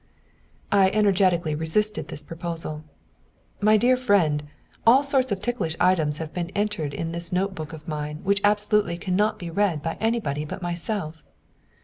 I energetically resisted this proposal. "My dear friend, all sorts of ticklish items have been entered in this note book of mine which absolutely cannot be read by anybody but myself."